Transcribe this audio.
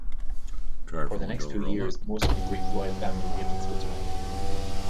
For the next few years, most of the Greek royal family lived in Switzerland.